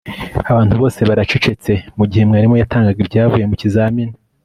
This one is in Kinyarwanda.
Abantu bose baracecetse mugihe mwarimu yatangaga ibyavuye mu kizamini